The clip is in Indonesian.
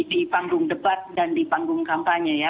di panggung debat dan di panggung kampanye ya